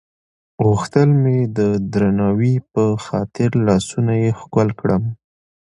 غوښتل مې د درناوي په خاطر لاسونه یې ښکل کړم.